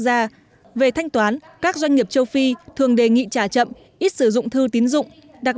gia về thanh toán các doanh nghiệp châu phi thường đề nghị trả chậm ít sử dụng thư tín dụng đặc